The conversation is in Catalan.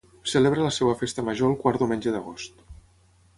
Celebra la seva Festa Major el quart diumenge d'agost.